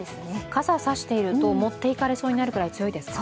傘さしていると持って行かれそうになるくらい強いですか？